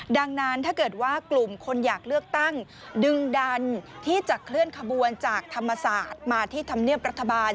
ดังนั้นถ้าเกิดว่ากลุ่มคนอยากเลือกตั้งดึงดันที่จะเคลื่อนขบวนจากธรรมศาสตร์มาที่ธรรมเนียบรัฐบาล